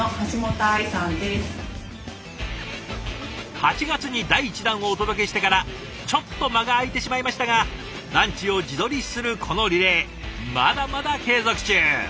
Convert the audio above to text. ８月に第１弾をお届けしてからちょっと間が空いてしまいましたがランチを自撮りするこのリレーまだまだ継続中。